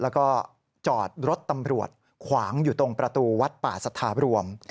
แล้วก็จอดรถตำรวจขวางอยู่ตรงประตูวัดป่าสถาบรวม